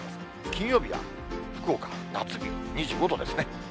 金曜日は福岡、夏日、２５度ですね。